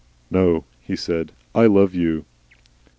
"No," he said. "I love you."